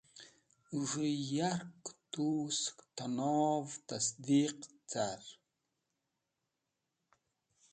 Z̃hũ yakẽ tu sẽk tẽnov towsiq (validate) car.